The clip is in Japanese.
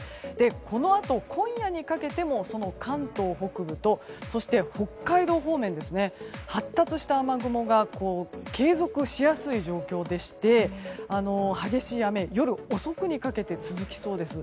このあと今夜にかけても関東北部とそして北海道方面発達した雨雲が継続しやすい状況でして激しい雨夜遅くにかけて続きそうです。